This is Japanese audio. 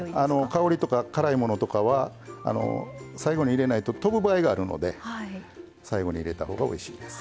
香りとか辛いものとかは最後に入れないととぶ場合があるので最後に入れた方がおいしいです。